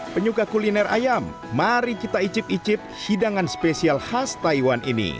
penyuka kuliner ayam mari kita icip icip hidangan spesial khas taiwan ini